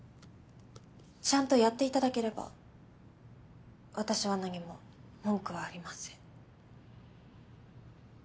ちゃんとやっていただければ私は何も文句はありません。